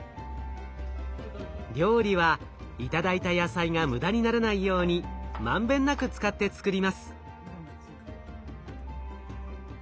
料理は頂いた野菜が無駄にならないように満遍なく使って作ります。